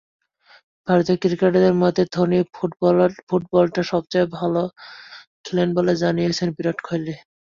ভারতীয় ক্রিকেটারদের মধ্যে ধোনিই ফুটবলটা সবচেয়ে ভালো খেলেন বলে জানিয়েছেন বিরাট কোহলি।